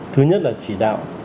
thứ nhất là chỉ đạo